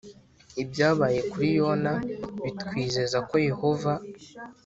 ibyabaye kuri Yona bitwizeza ko Yehova.